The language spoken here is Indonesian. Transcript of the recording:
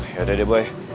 yaudah deh boy